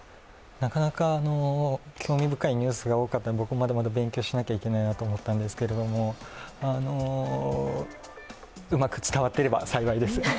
なかなか興味深いニュースが多くて、まだまだ勉強しなければいけないなと思ったんですけれどもうまく伝わっていれば幸いです。